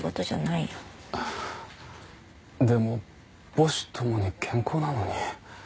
でも母子ともに健康なのに。